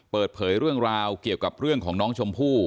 เปิดเผยเรื่องราวเกี่ยวกับเรื่องของน้องชมพู่